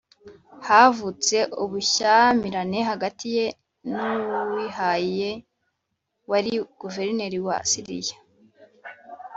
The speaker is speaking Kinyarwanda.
havutse ubushyamirane hagati ye na muʽāwiyah wari guverineri wa siriya